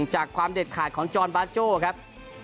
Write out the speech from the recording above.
จากความเด็ดขาดของจอนบาโจ้ครับ